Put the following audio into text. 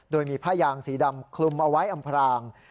โดยมีผ้ายางสีดำคลุมเอาไว้อำพราง